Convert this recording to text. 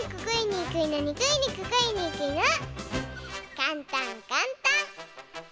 かんたんかんたん。